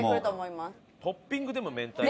トッピングでも明太子。